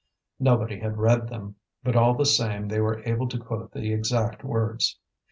Nobody had read them, but all the same they were able to quote the exact words.